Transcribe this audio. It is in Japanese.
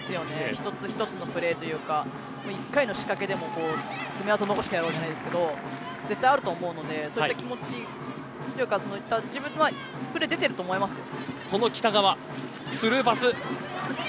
一つ一つの疲れというか１回の仕掛けでも爪痕残してやろうじゃないですけど絶対あると思うので気持ちが自分のプレーに出ていると思いますよ。